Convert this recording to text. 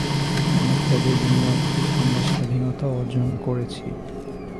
অনেক ত্যাগের বিনিময়ে অবশেষে আমরা স্বাধীনতা অর্জন করেছি।